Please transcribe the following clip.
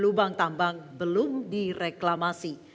lubang tambang belum direklamasi